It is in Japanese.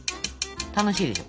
楽しいでしょ？